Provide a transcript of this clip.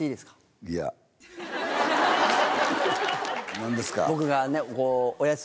何ですか？